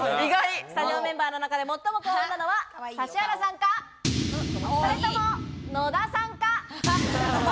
スタジオメンバーの中で最も幸運なのは指原さんか、それとも野田さんか？